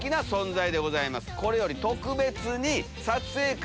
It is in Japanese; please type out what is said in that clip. これより特別に。